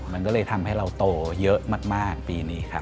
มันก็เลยทำให้เราโตเยอะมากปีนี้ครับ